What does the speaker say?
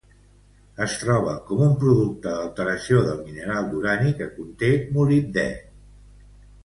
Es troba com un producte d'alteració del mineral d'urani que conté molibdè.